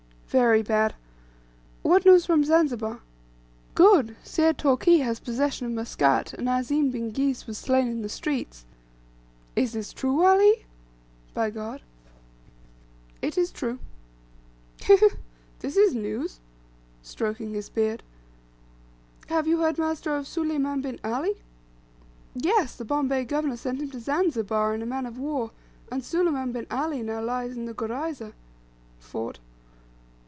"Very bad." "What news from Zanzibar?" "Good; Syed Toorkee has possession of Muscat, and Azim bin Ghis was slain in the streets." "Is this true, Wallahi?" (by God.) "It is true." "Heh heh h! This is news!" stroking his beard. "Have you heard, master, of Suleiman bin Ali?" "Yes, the Bombay governor sent him to Zanzibar, in a man of war, and Suleiman bin Ali now lies in the gurayza (fort)."